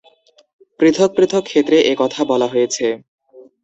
পৃথক পৃথক ক্ষেত্রে এ কথা বলা হয়েছে।